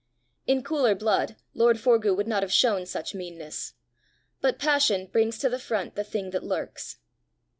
In cooler blood lord Forgue would not have shown such meanness; but passion brings to the front the thing that lurks.